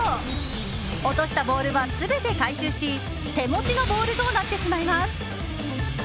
落としたボールは全て回収し手持ちのボールとなってしまいます。